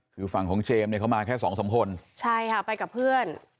คือฝั่งของเจมส์เนี่ยเขามาแค่สองสามคนใช่ค่ะไปกับเพื่อน